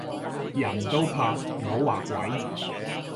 人都怕唔好話鬼